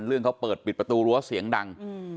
เรื่องเขาเปิดปิดประตูรั้วเสียงดัง